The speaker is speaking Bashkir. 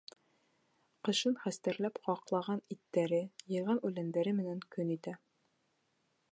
Ҡышын хәстәрләп ҡаҡлаған иттәре, йыйған үләндәре менән көн итә.